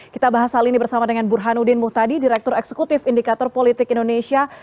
kita bahas hal ini bersama dengan burhanuddin muhtadi direktur eksekutif indikator politik indonesia